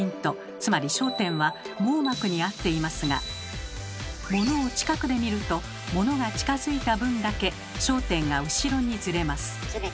つまり焦点は網膜に合っていますがモノを近くで見るとモノが近づいた分だけ焦点が後ろにズレます。